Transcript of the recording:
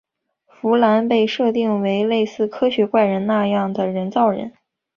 芙兰被设定为类似科学怪人那样的人造人。